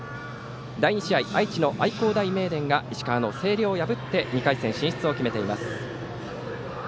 第２試合、愛知の愛工大名電が石川の星稜を破って２回戦進出を決めています。